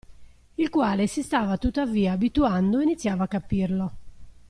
Il quale si stava tuttavia abituando e iniziava a capirlo.